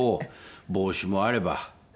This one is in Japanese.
帽子もあれば。